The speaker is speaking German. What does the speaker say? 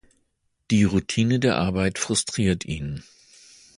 Die Routine der Arbeit frustriert ihn.